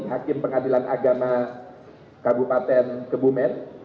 hakim pengadilan agama kabupaten kebumen